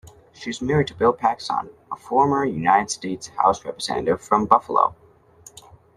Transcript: She is married to Bill Paxon, a former United States House Representative from Buffalo.